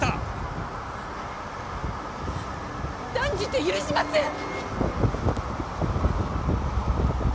断じて許しません！